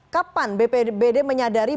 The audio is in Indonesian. kapan bp bd menyadari